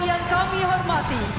yang kami hormati